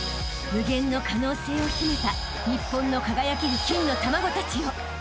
［無限の可能性を秘めた日本の輝ける金の卵たちよ］